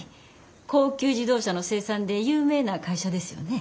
高級自動車の生産で有名な会社ですよね。